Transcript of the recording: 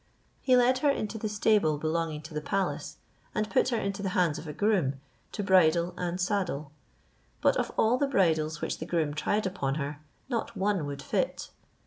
He led her into the stable belonging to the palace, and put her into the hands of a groom, to bridle and saddle; but of all the bridles which the groom tried upon her, not one would fit.